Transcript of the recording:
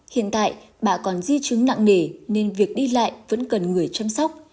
hiện tại bà còn di chứng nặng nề nên việc đi lại vẫn cần người chăm sóc